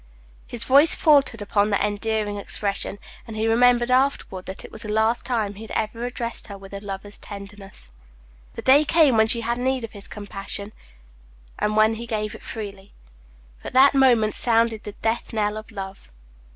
His voice faltered upon the endearing expression, and he remembered afterward that it was the last time he had ever addressed her with a lover's tenderness. The day came when she had need of his compassion, and when he gave it freely; but that moment sounded the death knell of Love.